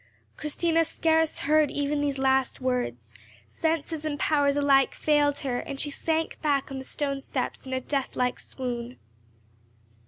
Christina scarce heard even these last words; senses and powers alike failed her, and she sank back on the stone steps in a deathlike swoon.